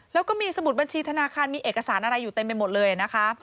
แล้วก็มีสมุดบัญชีธนาคารมีเอกสารอะไรอยู่เต็มไปหมดเลยนะคะ